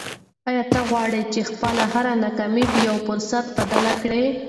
آیا ته غواړې چې خپله هره ناکامي په یو فرصت بدله کړې؟